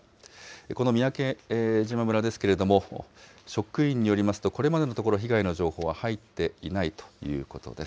この三宅島村ですけれども、職員によりますと、これまでのところ被害の情報は入っていないということです。